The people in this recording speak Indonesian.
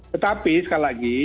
tetapi sekali lagi